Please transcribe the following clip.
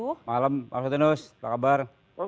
selamat malam pak alvitinus apa kabar